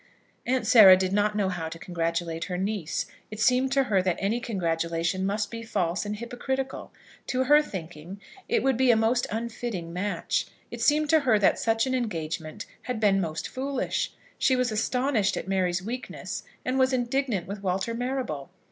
Aunt Sarah did not know how to congratulate her niece. It seemed to her that any congratulation must be false and hypocritical. To her thinking, it would be a most unfitting match. It seemed to her that such an engagement had been most foolish. She was astonished at Mary's weakness, and was indignant with Walter Marrable.